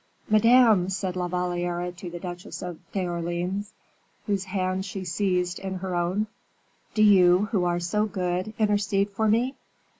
"Madame!" said La Valliere to the Duchess d'Orleans, whose hands she seized in her own, "do you, who are so good, intercede for me?"